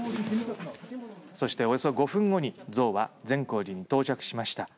そして、およそ５分後に、像は善光寺に到着しました。